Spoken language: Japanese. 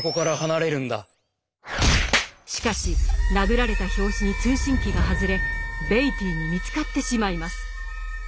しかし殴られた拍子に通信機が外れベイティーに見つかってしまいます。